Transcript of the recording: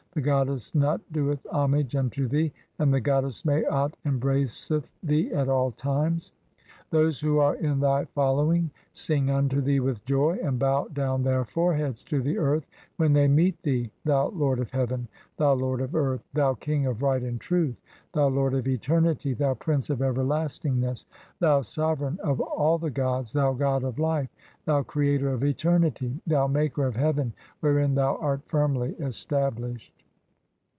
The goddess Nut doeth homage unto "thee, and the goddess Maat embraceth thee at all times. Those "who are in thy following sing unto thee with joy and bow "down their foreheads to the earth when they meet thee, thou lord "of heaven, thou lord of earth, thou king of Right and Truth, "thou lord of eternity, thou prince of everlastingness, thou sove reign of all the gods, thou god of life, thou creator of eternity, "thou maker of heaven wherein thou art firmly established